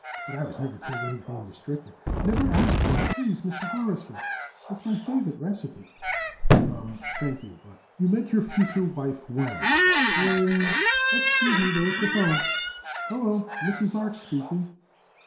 But I never was told anything restricted, never asked for " "Please, Mr. Horrisford! It's my favorite recipe." "Ummm. Thank you, but " "You met your future wife when?" "In " "Excuse me, there's the phone... Hello. Mrs. Arch speaking...